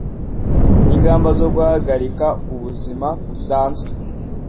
n'ingamba zo guhagarika ubuzima busanzwe